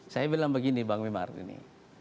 saya bilang begini bang wimardini